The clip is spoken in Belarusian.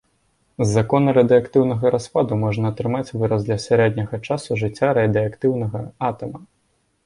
З закона радыеактыўнага распаду можна атрымаць выраз для сярэдняга часу жыцця радыеактыўнага атама.